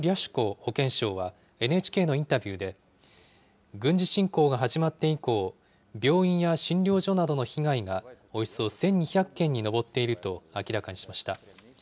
保健相は、ＮＨＫのインタビューで、軍事侵攻が始まって以降、病院や診療所などの被害が、およそ１２００件に上っていると明らかにしました。